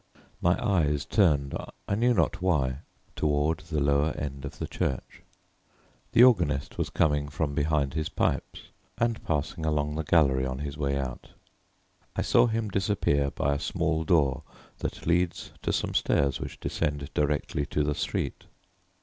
My eyes turned, I knew not why, toward the lower end of the church. The organist was coming from behind his pipes, and passing along the gallery on his way out, I saw him disappear by a small door that leads to some stairs which descend directly to the street.